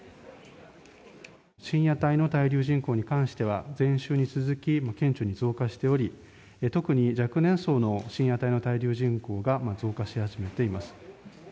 深夜帯の滞留人口に関しては、前週に続き、顕著に増加しており、特に若年層の深夜帯の滞留人口が増加し始めています。